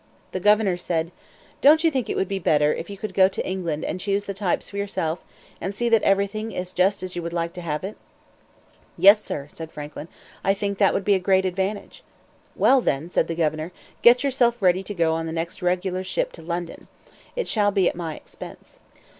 The governor said, "Don't you think it would be better if you could go to England and choose the types for yourself, and see that everything is just as you would like to have it?" "Yes, sir," said Franklin, "I think that would be a great advantage." "Well, then," said the governor, "get yourself ready to go on the next regular ship to London. It shall be at my expense."